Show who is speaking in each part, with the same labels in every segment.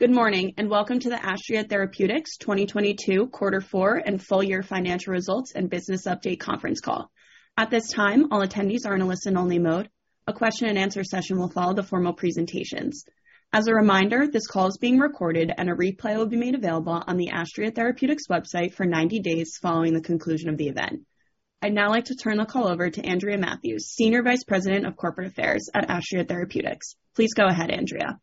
Speaker 1: Good morning, and welcome to the Astria Therapeutics 2022 Q4 and full financial results and business update conference call. At this time, all attendees are in a listen-only mode. A question and answer session will follow the formal presentations. As a reminder, this call is being recorded and a replay will be made available on the Astria Therapeutics website for 90 days following the conclusion of the event. I'd now like to turn the call over to Andrea Matthews, Senior Vice President of Corporate Affairs at Astria Therapeutics. Please go ahead, Andrea.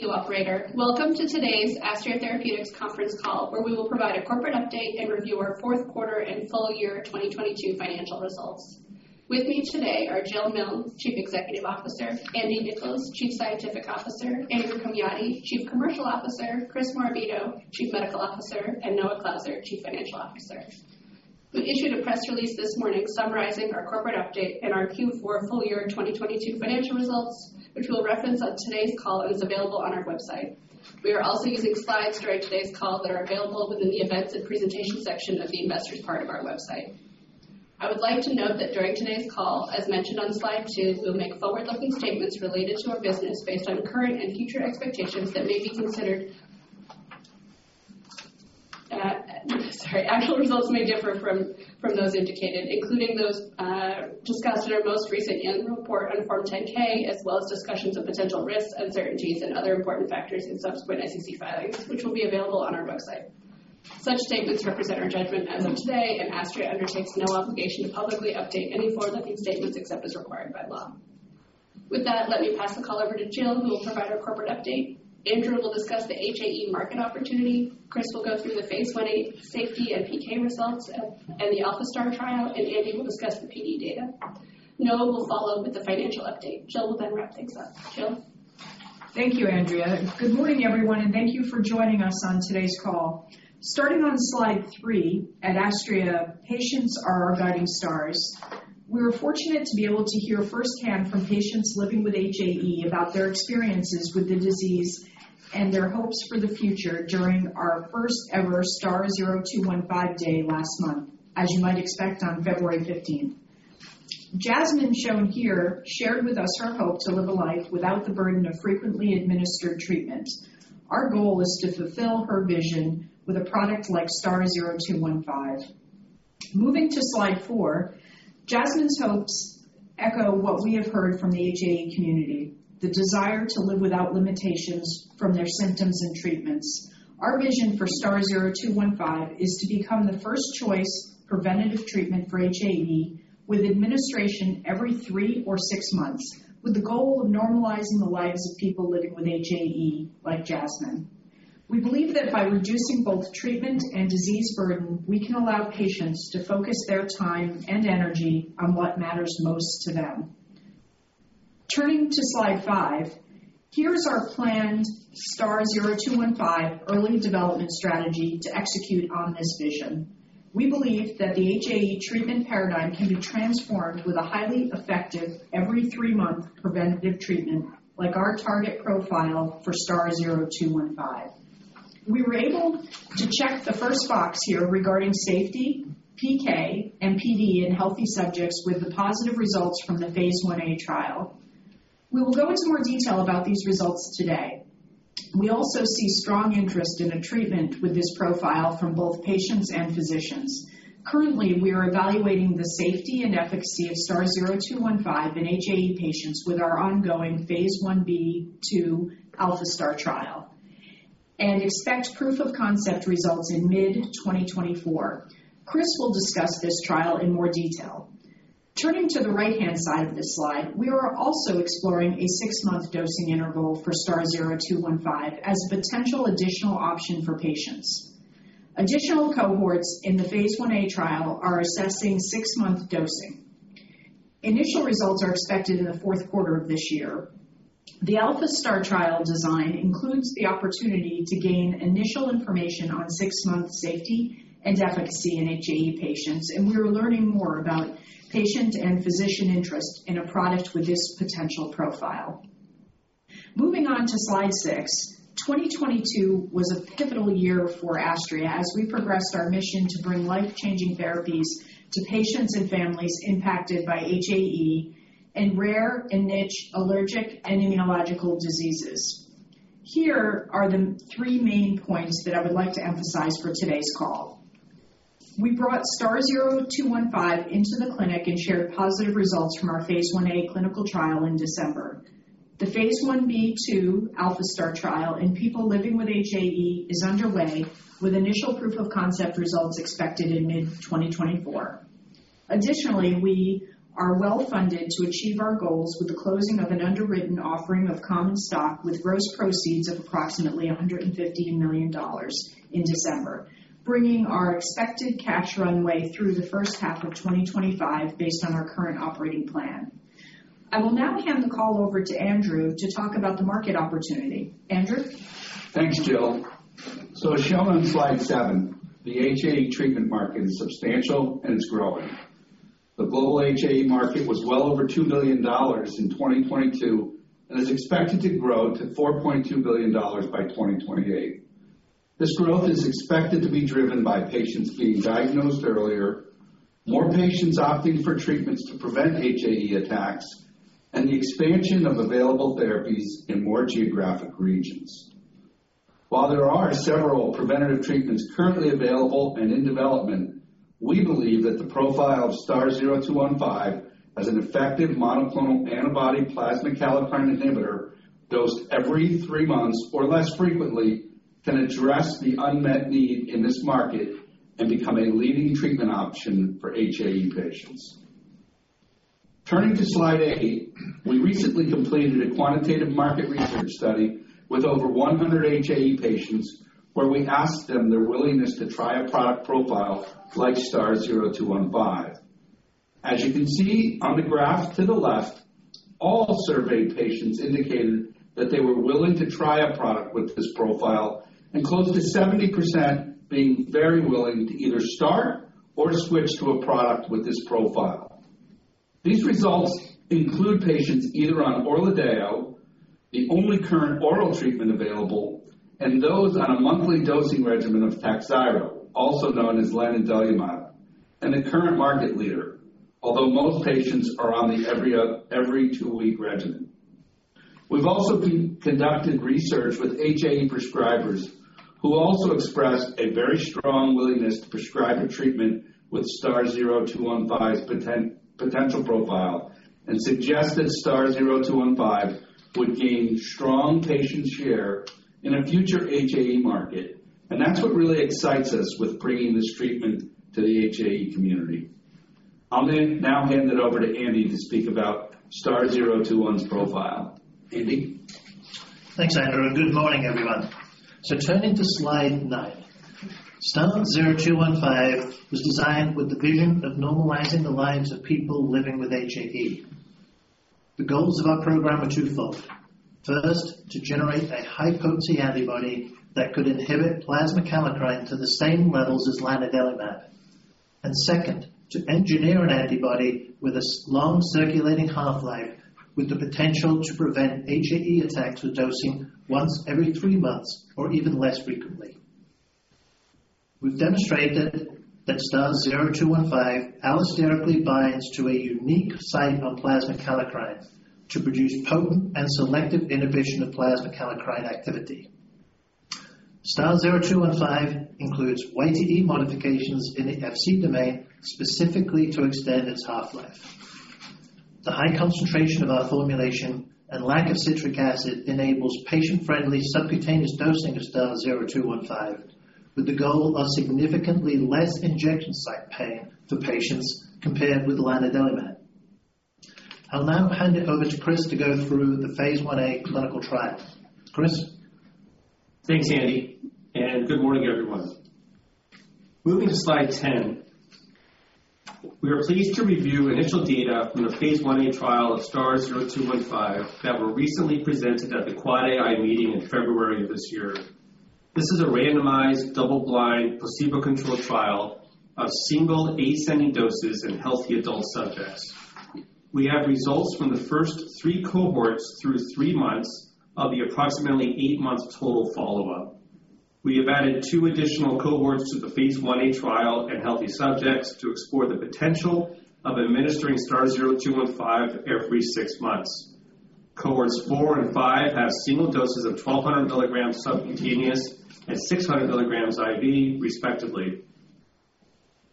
Speaker 2: Thank you, operator. Welcome to today's Astria Therapeutics conference call, where we will provide a corporate update and review our Q4 and full year 2022 financial results. With me today are Jill Milne, Chief Executive Officer, Andy Nichols, Chief Scientific Officer, Andrew Komjati, Chief Commercial Officer, Chris Morabito, Chief Medical Officer, and Noah Clauser, Chief Financial Officer. We issued a press release this morning summarizing our corporate update and our Q4 full year 2022 financial results, which we'll reference on today's call and is available on our website. We are also using slides during today's call that are available within the Events and Presentation section of the Investor part of our website. I would like to note that during today's call, as mentioned on slide 2, we'll make forward-looking statements related to our business based on current and future expectations that may be considered. Sorry. Actual results may differ from those indicated, including those discussed in our most recent end report on Form 10-K, as well as discussions of potential risks, uncertainties and other important factors in subsequent SEC filings, which will be available on our website. Such statements represent our judgment as of today. Astria undertakes no obligation to publicly update any forward-looking statements except as required by law. With that, let me pass the call over to Jill, who will provide our corporate update. Andrew will discuss the HAE market opportunity. Chris will go through the Phase Ia safety and PK results of, and the ALPHA-STAR trial. Andy will discuss the PD data. Noah will follow up with the financial update. Jill will wrap things up. Jill.
Speaker 3: Thank you, Andrea. Good morning, everyone, and thank you for joining us on today's call. Starting on slide 3, at Astria, patients are our guiding stars. We were fortunate to be able to hear firsthand from patients living with HAE about their experiences with the disease and their hopes for the future during our first-ever STAR-0215 day last month. As you might expect on February 15th. Jasmine, shown here, shared with us her hope to live a life without the burden of frequently administered treatment. Our goal is to fulfill her vision with a product like STAR-0215. Moving to slide 4. Jasmine's hopes echo what we have heard from the HAE community, the desire to live without limitations from their symptoms and treatments. Our vision for STAR-0215 is to become the first choice preventative treatment for HAE with administration every 3 or 6 months, with the goal of normalizing the lives of people living with HAE, like Jasmine. We believe that by reducing both treatment and disease burden, we can allow patients to focus their time and energy on what matters most to them. Turning to slide 5. Here's our planned STAR-0215 early development strategy to execute on this vision. We believe that the HAE treatment paradigm can be transformed with a highly effective every 3-month preventative treatment like our target profile for STAR-0215. We were able to check the first box here regarding safety, PK, and PD in healthy subjects with the positive results from the Phase IA trial. We will go into more detail about these results today. We also see strong interest in a treatment with this profile from both patients and physicians. Currently, we are evaluating the safety and efficacy of STAR-0215 in HAE patients with our ongoing Phase Ib to ALPHA-STAR trial. We expect proof of concept results in mid-2024. Chris will discuss this trial in more detail. Turning to the right-hand side of this slide, we are also exploring a six-month dosing interval for STAR-0215 as a potential additional option for patients. Additional cohorts in the Phase Ia trial are assessing six-month dosing. Initial results are expected in the Q4 of this year. The ALPHA-STAR trial design includes the opportunity to gain initial information on six-month safety and efficacy in HAE patients. We are learning more about patient and physician interest in a product with this potential profile. Moving on to slide 6. 2022 was a pivotal year for Astria as we progressed our mission to bring life-changing therapies to patients and families impacted by HAE and rare and niche allergic and immunological diseases. Here are the 3 main points that I would like to emphasize for today's call. We brought STAR-0215 into the clinic and shared positive results from our Phase Ia clinical trial in December. The Phase Ib/IIALPHA-STAR trial in people living with HAE is underway with initial proof of concept results expected in mid-2024. Additionally, we are well funded to achieve our goals with the closing of an underwritten offering of common stock with gross proceeds of approximately $150 million in December, bringing our expected cash runway through the first half of 2025 based on our current operating plan. I will now hand the call over to Andrew to talk about the market opportunity. Andrew.
Speaker 4: Thanks, Jill. As shown on slide 7, the HAE treatment market is substantial and it's growing. The global HAE market was well over $2 billion in 2022 and is expected to grow to $4.2 billion by 2028. This growth is expected to be driven by patients being diagnosed earlier, more patients opting for treatments to prevent HAE attacks, and the expansion of available therapies in more geographic regions. While there are several preventative treatments currently available and in development, we believe that the profile of STAR-0215 as an effective monoclonal antibody plasma kallikrein inhibitor dosed every 3 months or less frequently, can address the unmet need in this market and become a leading treatment option for HAE patients. Turning to slide 8. We recently completed a quantitative market research study with over 100 HAE patients, where we asked them their willingness to try a product profile like STAR-0215. As you can see on the graph to the left, all surveyed patients indicated that they were willing to try a product with this profile and close to 70% being very willing to either start or switch to a product with this profile. These results include patients either on ORLADEYO, the only current oral treatment available, and those on a monthly dosing regimen of TAKHZYRO, also known as lanadelumab, and the current market leader. Although most patients are on the every two-week regimen. We've also conducted research with HAE prescribers who also expressed a very strong willingness to prescribe a treatment with STAR-0215's potential profile and suggest that STAR-0215 would gain strong patient share in a future HAE market. That's what really excites us with bringing this treatment to the HAE community. I'll now hand it over to Andy to speak about STAR-0215 profile. Andy.
Speaker 5: Thanks, Andrew, and good morning, everyone. Turning to slide 9. STAR-0215 was designed with the vision of normalizing the lives of people living with HAE. The goals of our program are twofold. First, to generate a high-potency antibody that could inhibit plasma kallikrein to the same levels as lanadelumab. Second, to engineer an antibody with a long circulating half-life with the potential to prevent HAE attacks with dosing once every 3 months or even less frequently. We've demonstrated that STAR-0215 allosterically binds to a unique site on plasma kallikrein to produce potent and selective inhibition of plasma kallikrein activity. STAR-0215 includes YTE modifications in the Fc domain specifically to extend its half-life. The high concentration of our formulation and lack of citric acid enables patient-friendly subcutaneous dosing of STAR-0215, with the goal of significantly less injection site pain for patients compared with lanadelumab. I'll now hand it over to Chris to go through the Phase Ia clinical trial. Chris.
Speaker 6: Thanks, Andy. Good morning, everyone. Moving to slide 10. We are pleased to review initial data from the Phase Ia trial of STAR-0215 that were recently presented at the AAAAI meeting in February of this year. This is a randomized, double-blind, placebo-controlled trial of single ascending doses in healthy adult subjects. We have results from the first 3 cohorts through 3 months of the approximately 8 months total follow-up. We have added 2 additional cohorts to the Phase Ia trial in healthy subjects to explore the potential of administering STAR-0215 every 6 months. Cohorts 4 and 5 have single doses of 1,200 milligrams subcutaneous and 600 milligrams IV, respectively.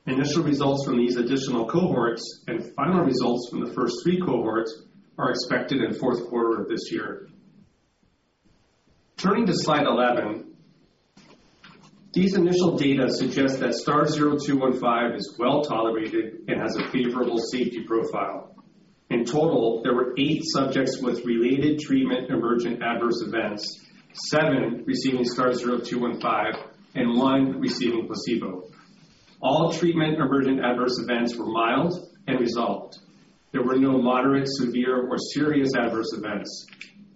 Speaker 6: Initial results from these additional cohorts and final results from the first 3 cohorts are expected in Q4 of this year. Turning to slide 11. These initial data suggest that STAR-0215 is well-tolerated and has a favorable safety profile. In total, there were 8 subjects with related treatment-emergent adverse events, 7 receiving STAR-0215 and 1 receiving placebo. All treatment-emergent adverse events were mild and resolved. There were no moderate, severe, or serious adverse events.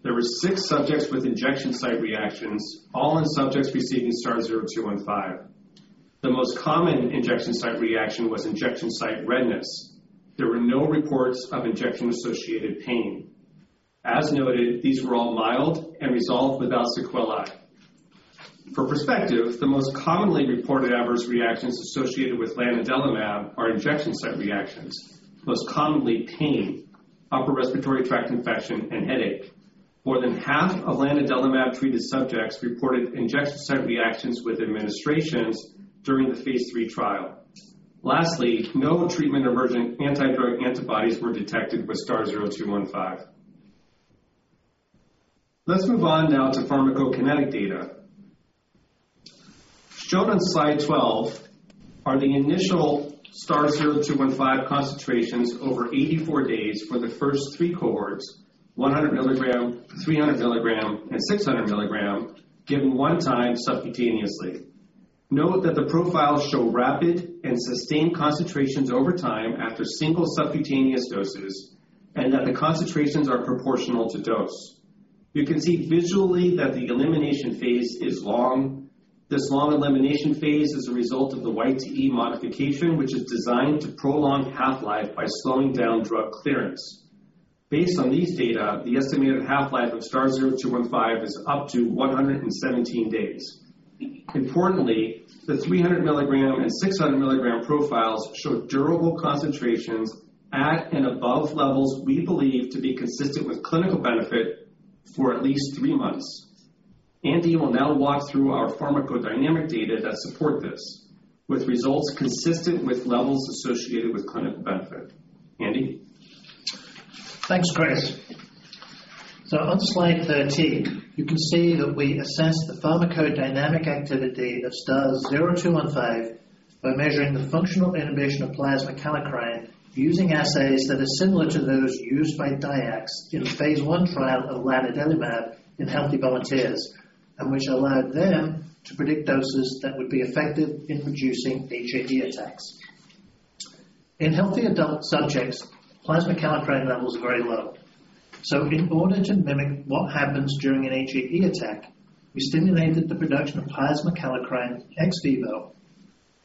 Speaker 6: There were 6 subjects with injection site reactions, all in subjects receiving STAR-0215. The most common injection site reaction was injection site redness. There were no reports of injection-associated pain. As noted, these were all mild and resolved without sequelae. For perspective, the most commonly reported adverse reactions associated with lanadelumab are injection site reactions. Most commonly pain, upper respiratory tract infection, and headache. More than half of lanadelumab-treated subjects reported injection site reactions with administrations during the Phase III trial. No treatment-emergent anti-drug antibodies were detected with STAR-0215. Let's move on now to pharmacokinetic data. Shown on slide 12 are the initial STAR-0215 concentrations over 84 days for the first three cohorts, 100 milligram, 300 milligram, and 600 milligram given one time subcutaneously. Note that the profiles show rapid and sustained concentrations over time after single subcutaneous doses, and that the concentrations are proportional to dose. You can see visually that the elimination Phase is long. This long elimination Phase is a result of the YTE modification, which is designed to prolong half-life by slowing down drug clearance. Based on these data, the estimated half-life of STAR-0215 is up to 117 days. Importantly, the 300 milligram and 600 milligram profiles show durable concentrations at and above levels we believe to be consistent with clinical benefit for at least three months. Andy will now walk through our pharmacodynamic data that support this, with results consistent with levels associated with clinical benefit. Andy?
Speaker 5: Thanks, Chris. On slide 13, you can see that we assess the pharmacodynamic activity of STAR-0215 by measuring the functional inhibition of plasma kallikrein using assays that are similar to those used by Dyax in Phase I trial of lanadelumab in healthy volunteers, and which allowed them to predict doses that would be effective in reducing HAE attacks. In healthy adult subjects, plasma kallikrein levels are very low. In order to mimic what happens during an HAE attack, we stimulated the production of plasma kallikrein ex vivo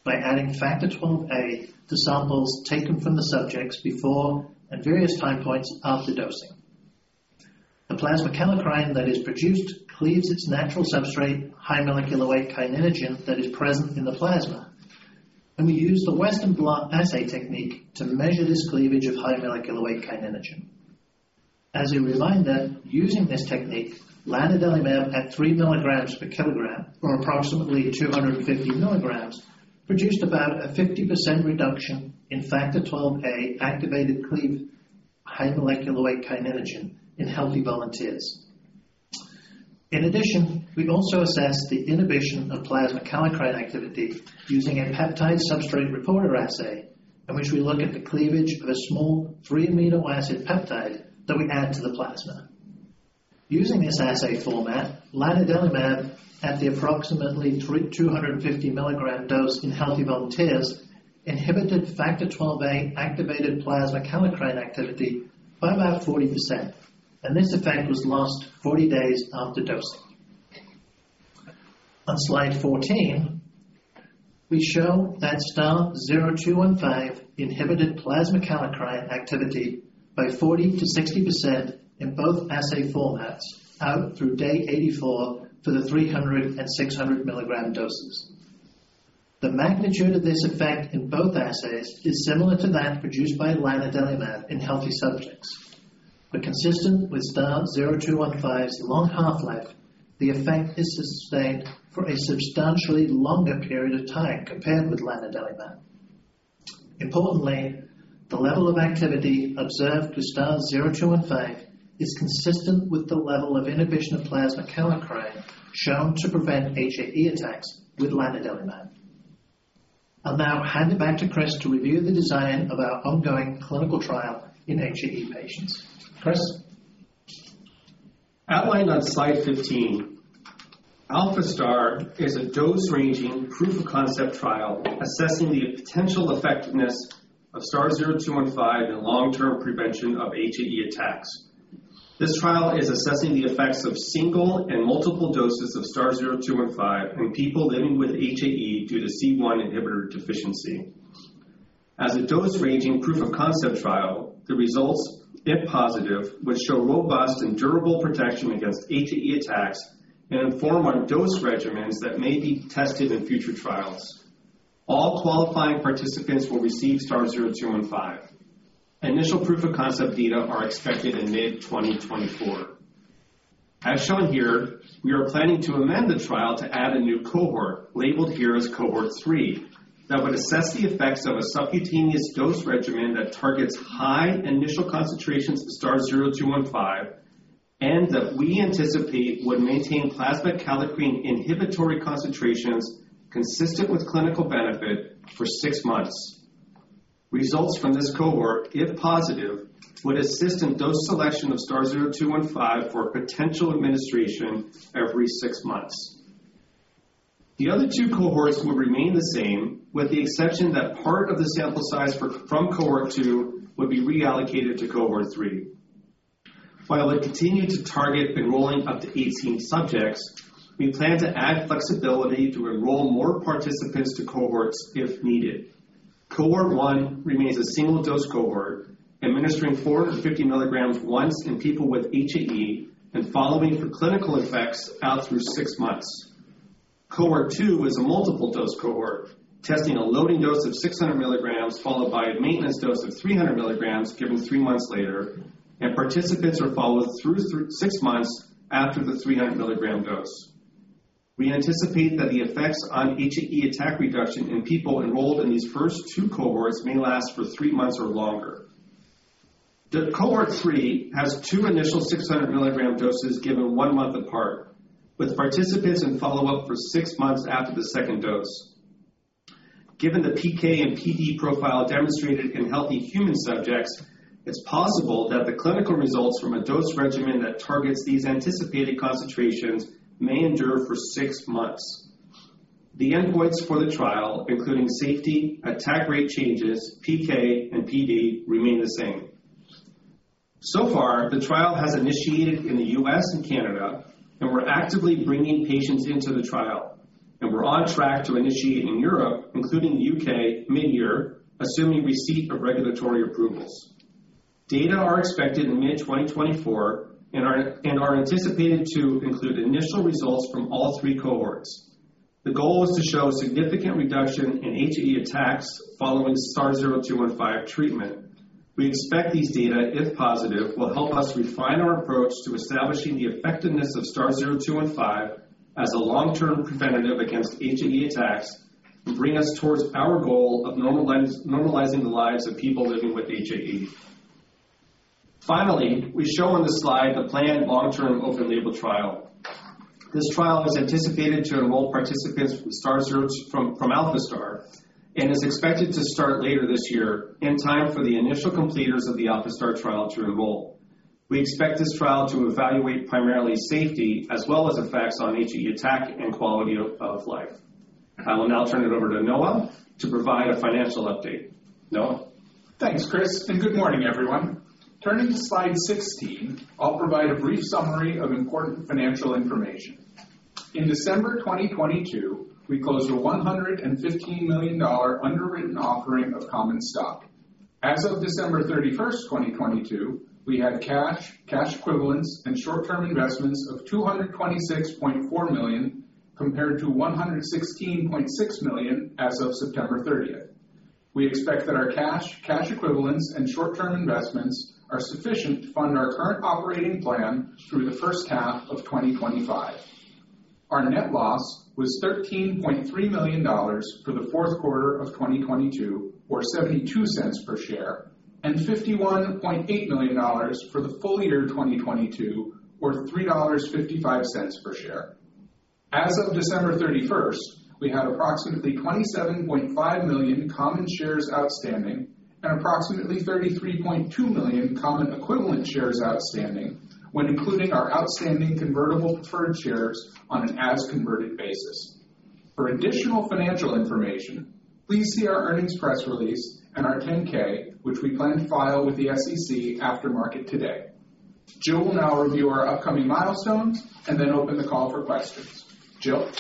Speaker 5: by adding Factor XIIa to samples taken from the subjects before at various time points after dosing. The plasma kallikrein that is produced cleaves its natural substrate, high molecular weight kininogen, that is present in the plasma. We use the Western blot assay technique to measure this cleavage of high molecular weight kininogen. As a reminder, using this technique, lanadelumab at 3 milligrams per kilogram or approximately 250 milligrams, produced about a 50% reduction in Factor XIIa activated cleaved high molecular weight kininogen in healthy volunteers. In addition, we also assessed the inhibition of plasma kallikrein activity using a peptide substrate reporter assay, in which we look at the cleavage of a small 3 amino acid peptide that we add to the plasma. Using this assay format, lanadelumab at the approximately 3, 250 milligram dose in healthy volunteers inhibited Factor XIIa activated plasma kallikrein activity by about 40%, and this effect was last 40 days after dosing. On slide 14, we show that STAR-0215 inhibited plasma kallikrein activity by 40%-60% in both assay formats out through day 84 for the 300 and 600 milligram doses. The magnitude of this effect in both assays is similar to that produced by lanadelumab in healthy subjects. Consistent with STAR-0215's long half-life, the effect is sustained for a substantially longer period of time compared with lanadelumab. Importantly, the level of activity observed with STAR-0215 is consistent with the level of inhibition of plasma kallikrein shown to prevent HAE attacks with lanadelumab. I'll now hand it back to Chris to review the design of our ongoing clinical trial in HAE patients. Chris?
Speaker 6: Outlined on slide 15, ALPHA-STAR is a dose-ranging proof of concept trial assessing the potential effectiveness of STAR-0215 in long-term prevention of HAE attacks. This trial is assessing the effects of single and multiple doses of STAR-0215 in people living with HAE due to C1 inhibitor deficiency. As a dose-ranging proof of concept trial, the results, if positive, would show robust and durable protection against HAE attacks and inform on dose regimens that may be tested in future trials. All qualifying participants will receive STAR-0215. Initial proof of concept data are expected in mid-2024. As shown here, we are planning to amend the trial to add a new cohort, labeled here as Cohort 3, that would assess the effects of a subcutaneous dose regimen that targets high initial concentrations of STAR-0215, and that we anticipate would maintain plasma kallikrein inhibitory concentrations consistent with clinical benefit for six months. Results from this cohort, if positive, would assist in dose selection of STAR-0215 for potential administration every 6 months. The other 2 cohorts would remain the same, with the exception that part of the sample size from Cohort 2 would be reallocated to Cohort 3. They continue to target enrolling up to 18 subjects, we plan to add flexibility to enroll more participants to cohorts if needed. Cohort 1 remains a single-dose cohort, administering 450 milligrams once in people with HAE and following for clinical effects out through 6 months. Cohort 2 is a multiple-dose cohort, testing a loading dose of 600 milligrams followed by a maintenance dose of 300 milligrams given 3 months later. Participants are followed through 6 months after the 300 milligram dose. We anticipate that the effects on HAE attack reduction in people enrolled in these first 2 cohorts may last for 3 months or longer. The Cohort 3 has two initial 600 milligram doses given 1 month apart, with participants in follow-up for 6 months after the second dose. Given the PK and PD profile demonstrated in healthy human subjects, it's possible that the clinical results from a dose regimen that targets these anticipated concentrations may endure for 6 months. The endpoints for the trial, including safety, attack rate changes, PK and PD, remain the same. The trial has initiated in the U.S. and Canada, and we're actively bringing patients into the trial. We're on track to initiate in Europe, including the U.K. mid-year, assuming receipt of regulatory approvals. Data are expected in mid-2024 and are anticipated to include initial results from all 3 cohorts. The goal is to show significant reduction in HAE attacks following STAR-0215 treatment. We expect these data, if positive, will help us refine our approach to establishing the effectiveness of STAR-0215 as a long-term preventative against HAE attacks and bring us towards our goal of normalizing the lives of people living with HAE. Finally, we show on this slide the planned long-term open-label trial. This trial is anticipated to enroll participants from ALPHA-STAR and is expected to start later this year in time for the initial completers of the ALPHA-STAR trial to enroll. We expect this trial to evaluate primarily safety as well as effects on HAE attack and quality of life. I will now turn it over to Noah to provide a financial update. Noah?
Speaker 7: Thanks, Chris, and good morning, everyone. Turning to slide 16, I'll provide a brief summary of important financial information. In December 2022, we closed a $115 million underwritten offering of common stock. As of December 31, 2022, we had cash equivalents and short-term investments of $226.4 million, compared to $116.6 million as of September 30. We expect that our cash equivalents and short-term investments are sufficient to fund our current operating plan through the first half of 2025. Our net loss was $13.3 million for the Q4 of 2022 or $0.72 per share, and $51.8 million for the full year 2022 or $3.55 per share. As of December 31st, we had approximately $27.5 million common shares outstanding and approximately $33.2 million common equivalent shares outstanding when including our outstanding convertible preferred shares on an as converted basis. For additional financial information, please see our earnings press release and our 10-K, which we plan to file with the SEC after market today. Jill will now review our upcoming milestones and then open the call for questions. Jill.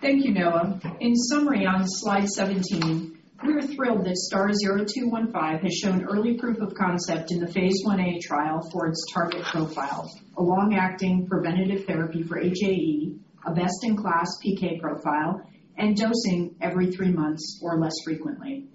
Speaker 3: Thank you, Noah. In summary, on slide 17, we are thrilled that STAR-0215 has shown early proof of concept in the Phase Ia trial for its target profile, a long-acting preventative therapy for HAE, a best-in-class PK profile, and dosing every 3 months or less frequently.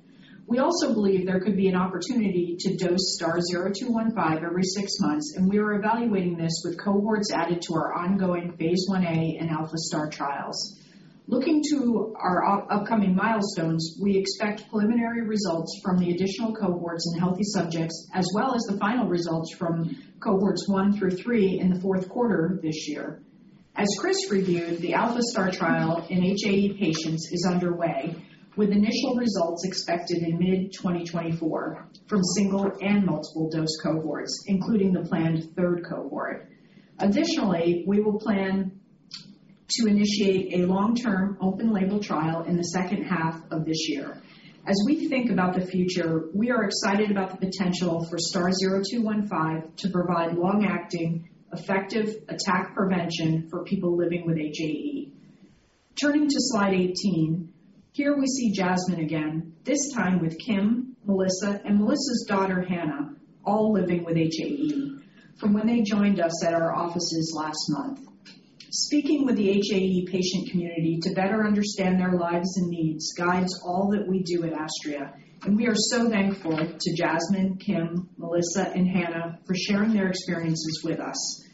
Speaker 3: We also believe there could be an opportunity to dose STAR-0215 every 6 months, and we are evaluating this with cohorts added to our ongoing Phase Ia and ALPHA-STAR trials. Looking to our upcoming milestones, we expect preliminary results from the additional cohorts in healthy subjects, as well as the final results from cohorts 1 through 3 in the Q4 this year. As Chris reviewed, the ALPHA-STAR trial in HAE patients is underway, with initial results expected in mid-2024 from single and multiple dose cohorts, including the planned third cohort. We will plan to initiate a long-term open label trial in the second half of this year. We think about the future, we are excited about the potential for STAR-0215 to provide long-acting, effective attack prevention for people living with HAE. Turning to slide 18. Here we see Jasmine again, this time with Kim, Melissa, and Melissa's daughter, Hannah, all living with HAE from when they joined us at our offices last month. Speaking with the HAE patient community to better understand their lives and needs guides all that we do at Astria, and we are so thankful to Jasmine, Kim, Melissa, and Hannah for sharing their experiences with us.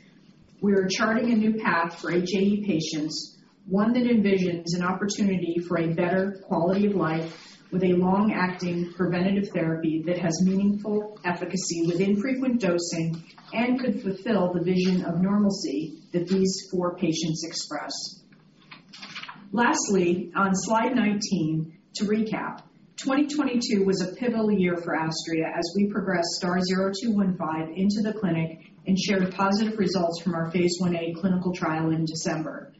Speaker 3: We are charting a new path for HAE patients, one that envisions an opportunity for a better quality of life with a long-acting preventative therapy that has meaningful efficacy with infrequent dosing and could fulfill the vision of normalcy that these four patients expressed. On slide 19, to recap. 2022 was a pivotal year for Astria as we progressed STAR-0215 into the clinic and shared positive results from our Phase Ia clinical trial in December.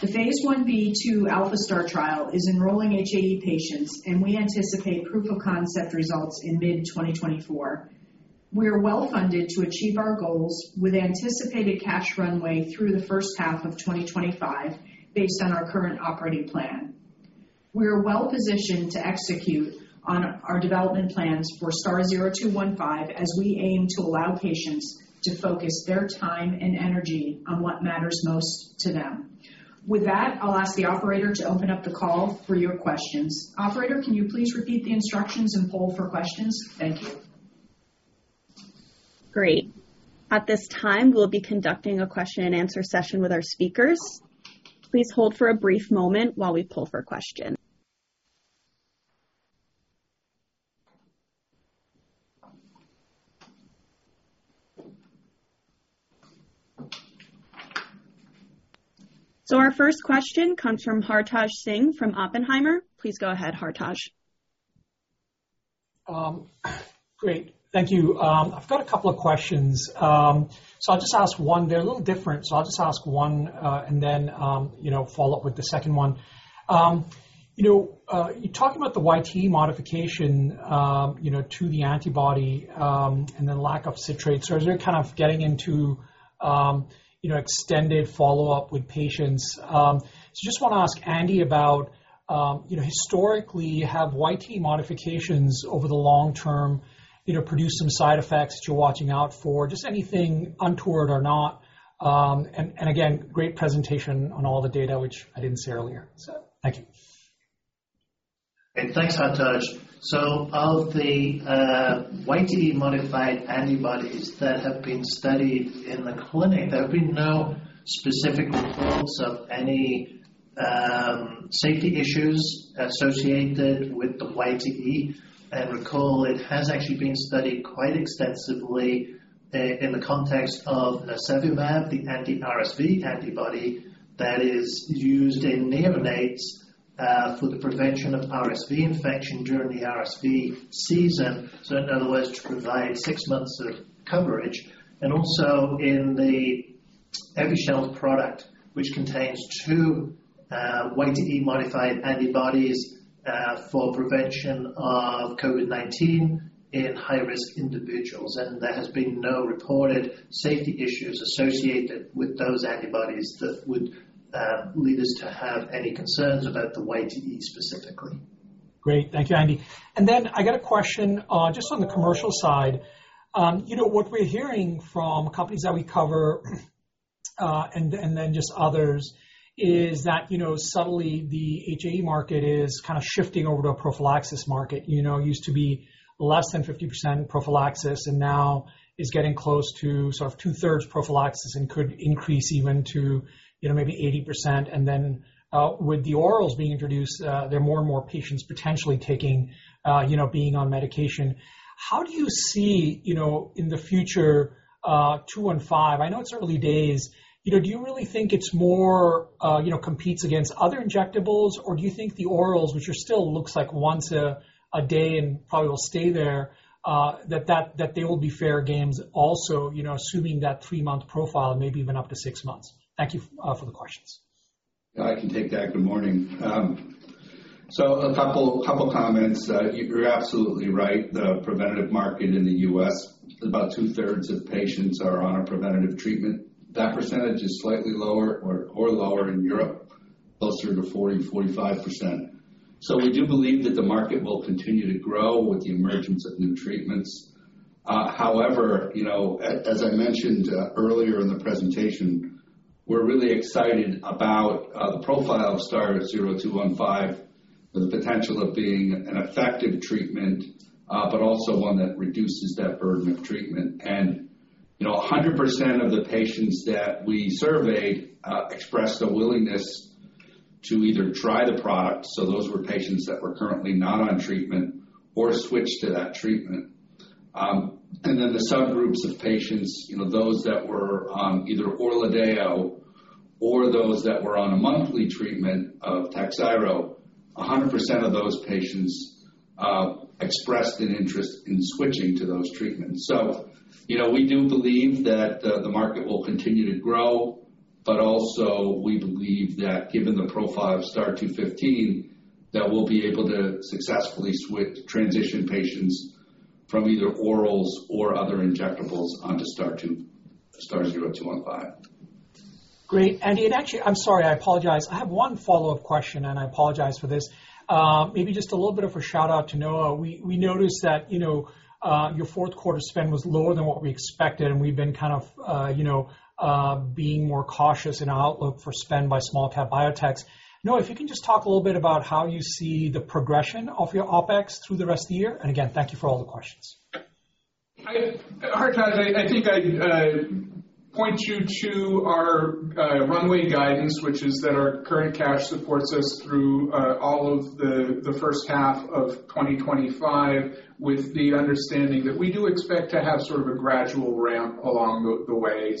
Speaker 3: The Phase Ib/II ALPHA-STAR trial is enrolling HAE patients, and we anticipate proof of concept results in mid-2024. We are well-funded to achieve our goals with anticipated cash runway through the first half of 2025 based on our current operating plan. We are well-positioned to execute on our development plans for STAR-0215 as we aim to allow patients to focus their time and energy on what matters most to them. With that, I'll ask the operator to open up the call for your questions. Operator, can you please repeat the instructions and poll for questions? Thank you.
Speaker 1: Great. At this time, we'll be conducting a question and answer session with our speakers. Please hold for a brief moment while we poll for questions. Our first question comes from Hartaj Singh from Oppenheimer. Please go ahead, Hartaj.
Speaker 8: Great. Thank you. I've got a couple of questions. I'll just ask one. They're a little different, so I'll just ask one, and then, you know, follow up with the second one. You know, you talked about the YTE modification, you know, to the antibody, and then lack of citrate. As we're kind of getting into, you know, extended follow-up with patients. Just wanna ask Andy about, you know, historically, have YTE modifications over the long term, you know, produced some side effects that you're watching out for? Just anything untoward or not? And again, great presentation on all the data, which I didn't say earlier, thank you.
Speaker 5: Thanks, Hartosh. Of the YT modified antibodies that have been studied in the clinic, there have been no specific reports of any safety issues associated with the YTE. Recall, it has actually been studied quite extensively in the context of nirsevimab, the anti-RSV antibody that is used in neonates for the prevention of RSV infection during the RSV season. In other words, to provide six months of coverage and also in the Evusheld product, which contains two YTE modified antibodies for prevention of COVID-19 in high-risk individuals. There has been no reported safety issues associated with those antibodies that would lead us to have any concerns about the YTE specifically.
Speaker 8: Great. Thank you, Andy. I got a question, just on the commercial side. You know, what we're hearing from companies that we cover, and then just others, is that, you know, subtly the HAE market is kinda shifting over to a prophylaxis market. You know, it used to be less than 50% prophylaxis and now is getting close to sort of 2/3 prophylaxis and could increase even to, you know, maybe 80%. With the orals being introduced, there are more and more patients potentially taking, you know, being on medication. How do you see, you know, in the future, 215? I know it's early days. You know, do you really think it's more, you know, competes against other injectables? Do you think the orals, which are still looks like once a day and probably will stay there, that they will be fair games also, you know, assuming that 3-month profile, maybe even up to 6 months? Thank you for the questions.
Speaker 4: I can take that. Good morning. A couple comments. You're absolutely right. The preventative market in the U.S., about two-thirds of patients are on a preventative treatment. That percentage is slightly lower or lower in Europe, closer to 40-45%. We do believe that the market will continue to grow with the emergence of new treatments. However, you know, as I mentioned earlier in the presentation, we're really excited about the profile of STAR-0215 for the potential of being an effective treatment, but also one that reduces that burden of treatment. You know, 100% of the patients that we surveyed expressed a willingness to either try the product. Those were patients that were currently not on treatment or switched to that treatment. And then the subgroups of patients, you know, those that were on either ORLADEYO or those that were on a monthly treatment of TAKHZYRO, 100% of those patients expressed an interest in switching to those treatments. You know, we do believe that the market will continue to grow, but also we believe that given the profile of STAR-0215, that we'll be able to successfully switch transition patients from either orals or other injectables onto STAR-0215.
Speaker 8: Great. Andy, I'm sorry. I apologize. I have one follow-up question, and I apologize for this. Maybe just a little bit of a shout-out to Noah. We noticed that, you know, your Q4 spend was lower than what we expected, and we've been kind of, you know, being more cautious in our outlook for spend by small cap biotechs. Noah, if you can just talk a little bit about how you see the progression of your OpEx through the rest of the year. Again, thank you for all the questions.
Speaker 7: Hartosh, I think I'd point you to our runway guidance, which is that our current cash supports us through all of the first half of 2025, with the understanding that we do expect to have sort of a gradual ramp along the way.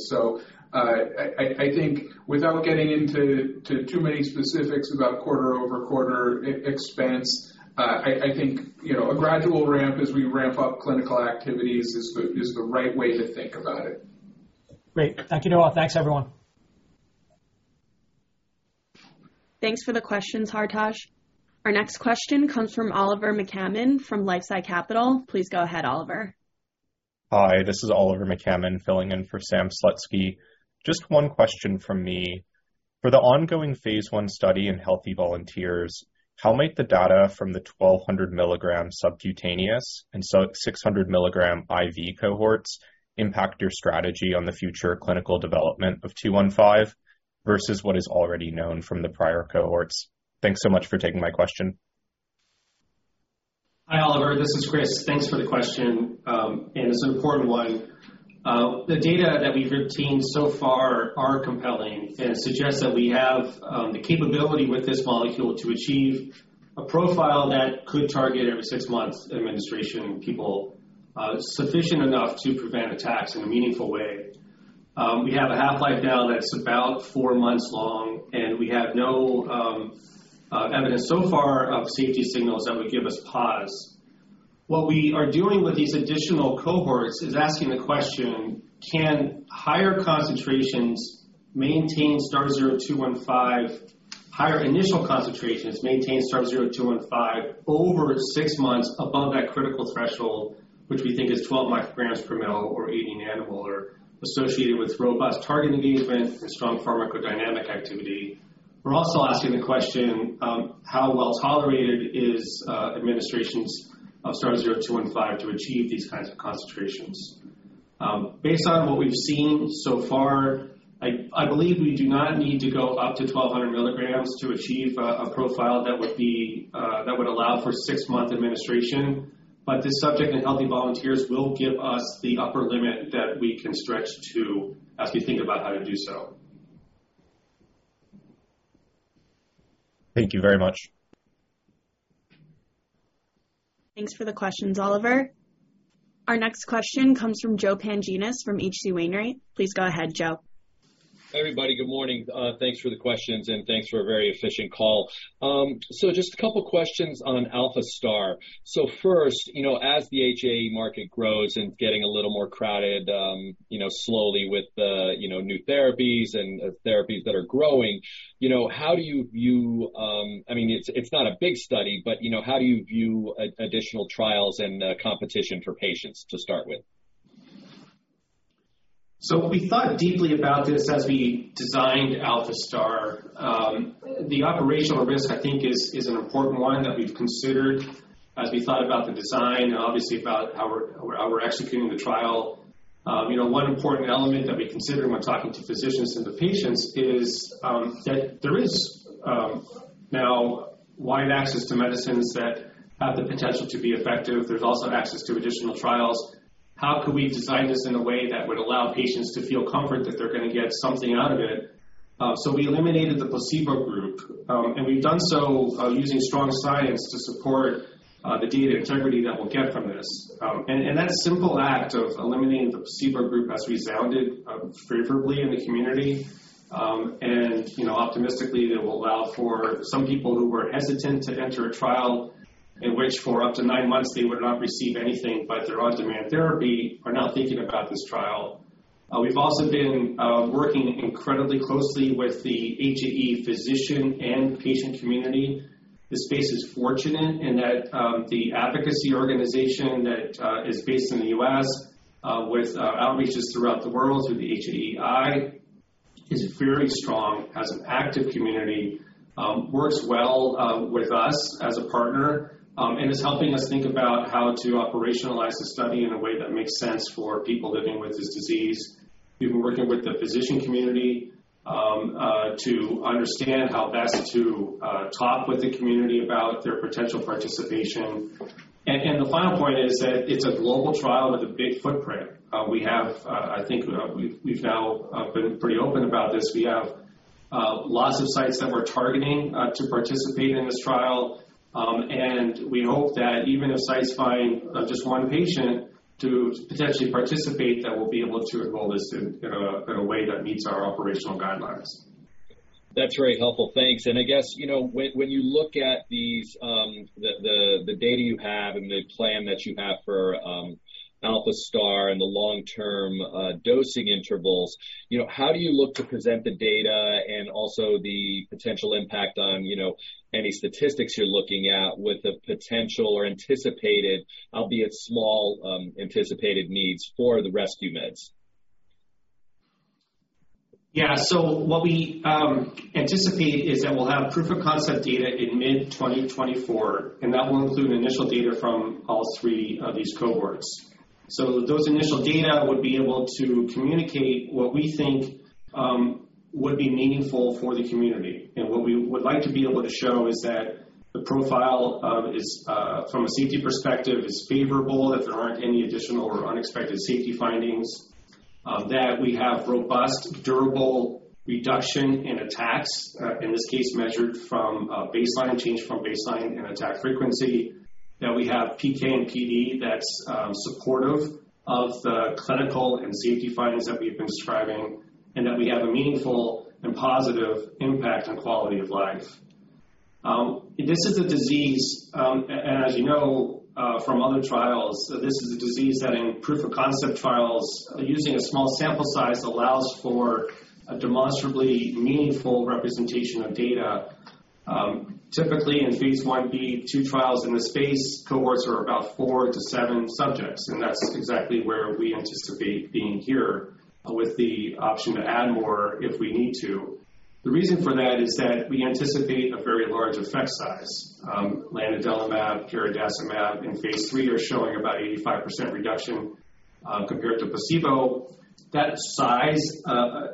Speaker 7: I think without getting into too many specifics about quarter-over-quarter expense, I think, you know, a gradual ramp as we ramp up clinical activities is the right way to think about it.
Speaker 8: Great. Thank you, Noah. Thanks, everyone.
Speaker 1: Thanks for the questions, Hartosh. Our next question comes from Oliver McCammon from LifeSci Capital. Please go ahead, Oliver.
Speaker 9: Hi, this is Oliver McCammon filling in for Sam Slutsky. Just 1 question from me. For the ongoing Phase I study in healthy volunteers, how might the data from the 1,200 milligram subcutaneous and 600 milligram IV cohorts impact your strategy on the future clinical development of 215 versus what is already known from the prior cohorts? Thanks so much for taking my question.
Speaker 6: Hi, Oliver, this is Chris. Thanks for the question. It's an important one. The data that we've obtained so far are compelling and suggests that we have the capability with this molecule to achieve a profile that could target every 6 months administration in people sufficient enough to prevent attacks in a meaningful way. We have a half-life now that's about 4 months long, we have no evidence so far of safety signals that would give us pause. What we are doing with these additional cohorts is asking the question, can higher concentrations maintain STAR-0215, higher initial concentrations maintain STAR-0215 over six months above that critical threshold, which we think is 12 micrograms per mil or 80 nanomolar associated with robust targeting events and strong pharmacodynamic activity. We're also asking the question, how well tolerated is administrations of STAR-0215 to achieve these kinds of concentrations? Based on what we've seen so far, I believe we do not need to go up to 1,200 milligrams to achieve a profile that would be that would allow for six-month administration. The subject in healthy volunteers will give us the upper limit that we can stretch to as we think about how to do so.
Speaker 10: Thank you very much.
Speaker 1: Thanks for the questions, Oliver. Our next question comes from Joseph Pantginis from H.C. Wainwright. Please go ahead, Joe.
Speaker 11: Hey, everybody. Good morning. Thanks for the questions, and thanks for a very efficient call. Just a couple questions on ALPHA-STAR. First, you know, as the HAE market grows and getting a little more crowded, you know, slowly with the, you know, new therapies and therapies that are growing, you know, how do you view, I mean, it's not a big study, but, you know, how do you view additional trials and competition for patients to start with?
Speaker 6: We thought deeply about this as we designed ALPHA-STAR. The operational risk, I think, is an important one that we've considered as we thought about the design and obviously about how we're executing the trial. You know, one important element that we consider when talking to physicians and the patients is that there is now wide access to medicines that have the potential to be effective. There's also access to additional trials. How can we design this in a way that would allow patients to feel comfort that they're gonna get something out of it? We eliminated the placebo group, and we've done so using strong science to support the data integrity that we'll get from this. And that simple act of eliminating the placebo group has resounded favorably in the community. You know, optimistically, it will allow for some people who were hesitant to enter a trial in which for up to 9 months they would not receive anything but their on-demand therapy are now thinking about this trial. We've also been working incredibly closely with the HAE physician and patient community. The space is fortunate in that the advocacy organization that is based in the U.S., with outreaches throughout the world through the HAEi is very strong as an active community, works well with us as a partner, is helping us think about how to operationalize the study in a way that makes sense for people living with this disease. We've been working with the physician community to understand how best to talk with the community about their potential participation. The final point is that it's a global trial with a big footprint. We have I think we've now been pretty open about this. We have lots of sites that we're targeting to participate in this trial. We hope that even if sites find just one patient to potentially participate, that we'll be able to enroll this in a way that meets our operational guidelines.
Speaker 11: That's very helpful. Thanks. I guess, you know, when you look at these, the data you have and the plan that you have for ALPHA-STAR and the long-term dosing intervals, you know, how do you look to present the data and also the potential impact on, you know, any statistics you're looking at with the potential or anticipated, albeit small, anticipated needs for the rescue meds?
Speaker 6: What we anticipate is that we'll have proof of concept data in mid-2024, and that will include initial data from all three of these cohorts. Those initial data would be able to communicate what we think would be meaningful for the community. What we would like to be able to show is that the profile of this from a safety perspective, is favorable, that there aren't any additional or unexpected safety findings, that we have robust, durable reduction in attacks, in this case, measured from a baseline change from baseline and attack frequency, that we have PK and PD that's supportive of the clinical and safety findings that we've been describing, and that we have a meaningful and positive impact on quality of life. This is a disease, as you know, from other trials, this is a disease that in proof of concept trials, using a small sample size allows for a demonstrably meaningful representation of data. Typically in Phase Ib/II trials in the space, cohorts are about 4 to 7 subjects, and that's exactly where we anticipate being here with the option to add more if we need to. The reason for that is that we anticipate a very large effect size. lanadelumab, garadacimab in Phase III are showing about 85% reduction compared to placebo. That size,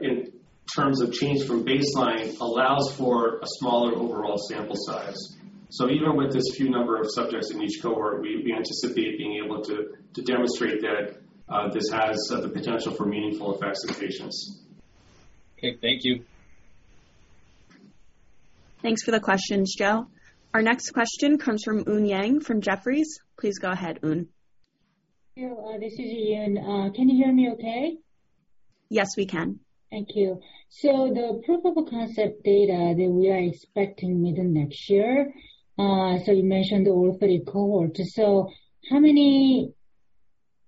Speaker 6: in terms of change from baseline, allows for a smaller overall sample size. Even with this few number of subjects in each cohort, we anticipate being able to demonstrate that this has the potential for meaningful effects to patients.
Speaker 11: Okay. Thank you.
Speaker 1: Thanks for the questions, Joe. Our next question comes from Eun Yang from Jefferies. Please go ahead, Eun.
Speaker 12: Yeah, this is Eun. Can you hear me okay?
Speaker 1: Yes, we can.
Speaker 12: Thank you. The proof of concept data that we are expecting mid of next year, so you mentioned all 3 cohorts. How many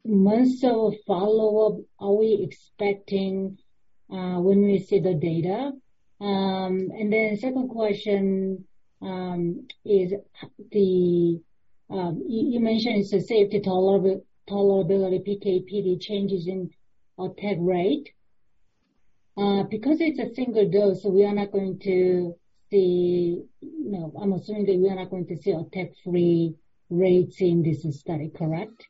Speaker 12: months of follow-up are we expecting when we see the data? Then second question, is the you mentioned it's a safety tolerability, PK/PD changes in attack rate. It's a single dose, so we are not going to see, you know, I'm assuming that we are not going to see attack-free rates in this study, correct?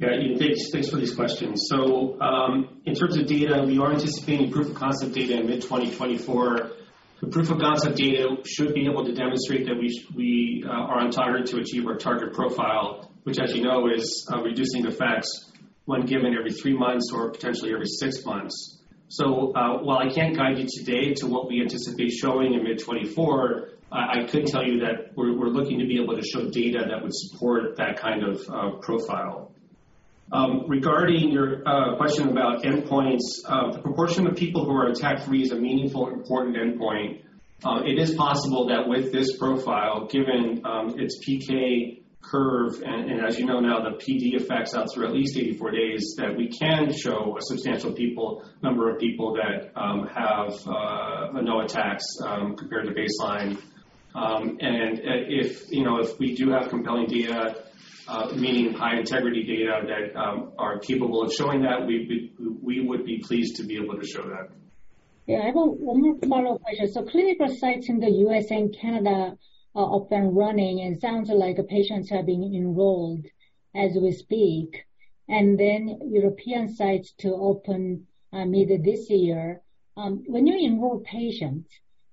Speaker 6: Eun, thanks for these questions. In terms of data, we are anticipating proof of concept data in mid-2024. The proof of concept data should be able to demonstrate that we are on target to achieve our target profile, which as you know is reducing effects when given every 3 months or potentially every 6 months. While I can't guide you today to what we anticipate showing in mid 2024, I could tell you that we're looking to be able to show data that would support that kind of profile. Regarding your question about endpoints, the proportion of people who are attack-free is a meaningful and important endpoint. It is possible that with this profile, given its PK curve and as you know now, the PD effects out through at least 84 days, that we can show a substantial people, number of people that have no attacks compared to baseline. If, you know, if we do have compelling data, meaning high integrity data that are capable of showing that, we would be pleased to be able to show that.
Speaker 12: Yeah. I have one more follow-up question. Clinical sites in the U.S. and Canada are up and running, and sounds like patients are being enrolled as we speak, and then European sites to open mid of this year. When you enroll patients,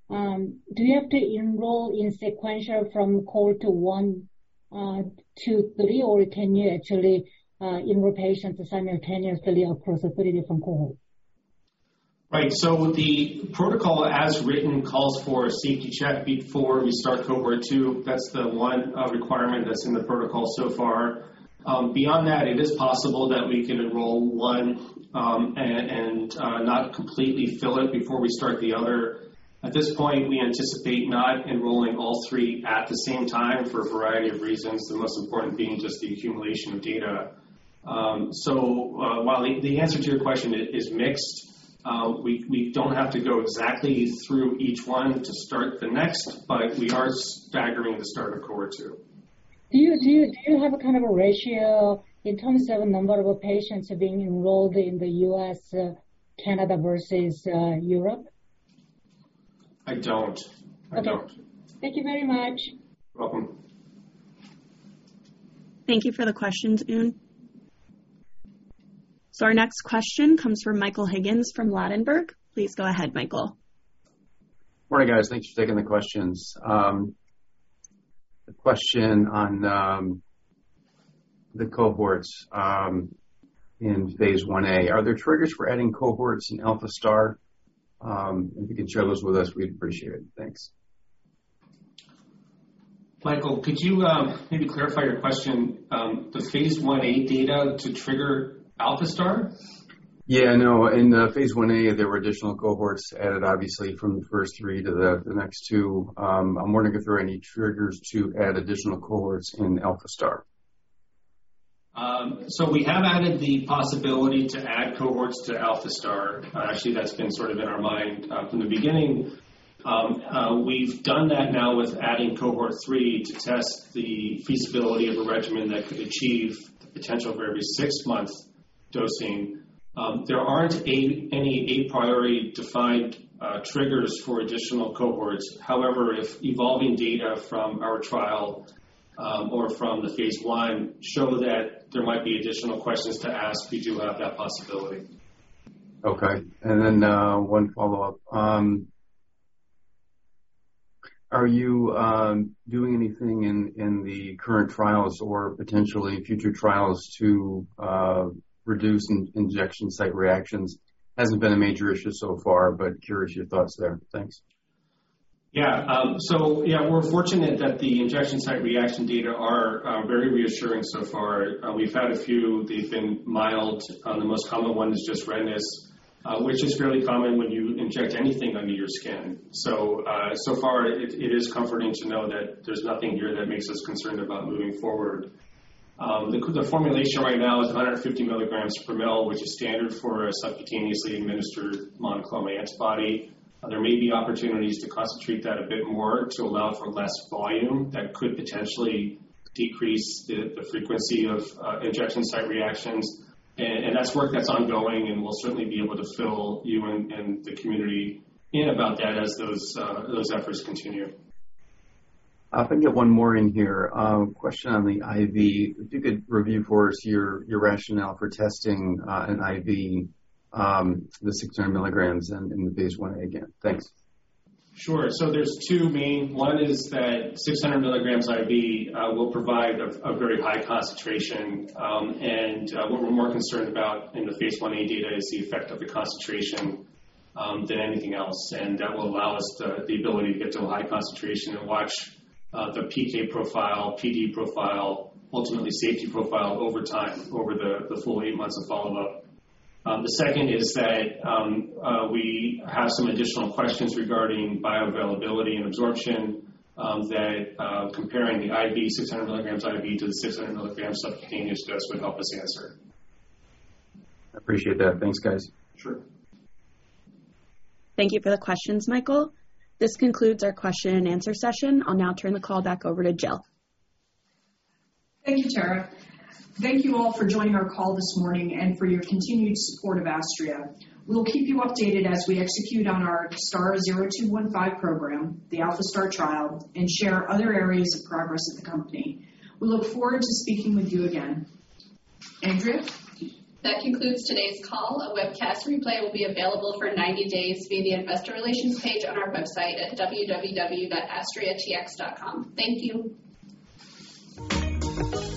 Speaker 12: do you have to enroll in sequential from cohort 1 to 3? Can you actually enroll patients simultaneously across the 3 different cohort?
Speaker 6: Right. The protocol as written calls for a safety check before we start cohort 2. That's the one requirement that's in the protocol so far. Beyond that, it is possible that we could enroll 1, and not completely fill it before we start the other. At this point, we anticipate not enrolling all three at the same time for a variety of reasons, the most important being just the accumulation of data. While the answer to your question is mixed, we don't have to go exactly through each one to start the next, but we are staggering the start of cohort 2.
Speaker 12: Do you have a kind of a ratio in terms of the number of patients being enrolled in the U.S., Canada versus Europe?
Speaker 6: I don't.
Speaker 12: Okay.
Speaker 6: I don't.
Speaker 12: Thank you very much.
Speaker 6: You're welcome.
Speaker 1: Thank you for the questions, Yun. Our next question comes from Michael Higgins from Ladenburg. Please go ahead, Michael.
Speaker 13: Morning, guys. Thanks for taking the questions. A question on the cohorts in Phase Ia. Are there triggers for adding cohorts in ALPHA-STAR? If you can share those with us, we'd appreciate it. Thanks.
Speaker 6: Michael, could you maybe clarify your question, the Phase IA data to trigger ALPHA-STAR?
Speaker 13: Yeah, no. In the Phase Ia, there were additional cohorts added obviously from the first three to the next two. I'm wondering if there are any triggers to add additional cohorts in ALPHA-STAR.
Speaker 6: We have added the possibility to add cohorts to ALPHA-STAR. Actually that's been sort of in our mind from the beginning. We've done that now with adding cohort 3 to test the feasibility of a regimen that could achieve the potential for every 6 months dosing. There aren't any a priori defined triggers for additional cohorts. However, if evolving data from our trial or from the Phase I show that there might be additional questions to ask, we do have that possibility.
Speaker 13: Okay. One follow-up. Are you doing anything in the current trials or potentially future trials to reduce in-injection site reactions? Hasn't been a major issue so far, but curious your thoughts there. Thanks.
Speaker 6: Yeah. Yeah, we're fortunate that the injection site reaction data are very reassuring so far. We've had a few. They've been mild. The most common one is just redness, which is fairly common when you inject anything under your skin. So far it is comforting to know that there's nothing here that makes us concerned about moving forward. The formulation right now is 150 milligrams per ml, which is standard for a subcutaneously administered monoclonal antibody. There may be opportunities to concentrate that a bit more to allow for less volume that could potentially decrease the frequency of injection site reactions. That's work that's ongoing, and we'll certainly be able to fill you and the community in about that as those efforts continue.
Speaker 13: I can get one more in here. Question on the IV. If you could review for us your rationale for testing an IV, the 600 milligrams in the Phase IA again. Thanks.
Speaker 6: Sure. There's two main. One is that 600 milligrams IV will provide a very high concentration. What we're more concerned about in the Phase Ia data is the effect of the concentration than anything else. That will allow us the ability to get to a high concentration and watch the PK profile, PD profile, ultimately safety profile over time, over the full 8 months of follow-up. The second is that we have some additional questions regarding bioavailability and absorption that comparing the IV, 600 milligrams IV to the 600 milligrams subcutaneous dose would help us answer.
Speaker 13: I appreciate that. Thanks, guys.
Speaker 6: Sure.
Speaker 1: Thank you for the questions, Michael. This concludes our question and answer session. I'll now turn the call back over to Jill.
Speaker 3: Thank you, Tara. Thank you all for joining our call this morning and for your continued support of Astria. We'll keep you updated as we execute on our STAR-0215 program, the ALPHA-STAR trial, and share other areas of progress of the company. We look forward to speaking with you again. Andrew?
Speaker 2: That concludes today's call. A webcast replay will be available for 90 days via the investor relations page on our website at www.astriatx.com. Thank you.